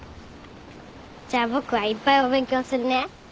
じゃあ僕はいっぱいお勉強するね。